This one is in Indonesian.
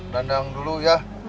dandan dulu ya